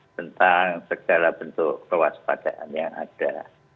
tentang segala bentuk kewaspadaan yang ada